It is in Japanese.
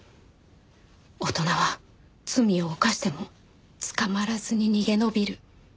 大人は罪を犯しても捕まらずに逃げ延びる。